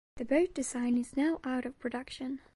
The boat design is now out of production.